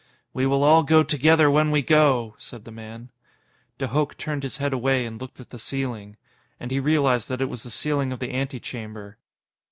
_ "We will all go together when we go," said the man. De Hooch turned his head away and looked at the ceiling. And he realized that it was the ceiling of the antechamber.